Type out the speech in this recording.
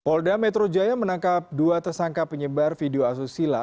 polda metro jaya menangkap dua tersangka penyebar video asusila